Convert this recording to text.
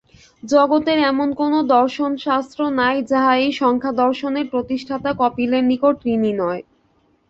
জগতের এমন কোন দর্শনশাস্ত্র নাই, যাহা এই সাংখ্যদর্শনের প্রতিষ্ঠাতা কপিলের নিকট ঋণী নয়।